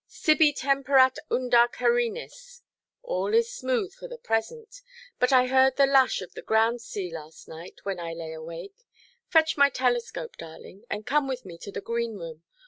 "ʼSibi temperat unda carinis.' All is smooth for the present. But I heard the lash of the ground–sea last night, when I lay awake. Fetch my telescope, darling, and come with me to the green room.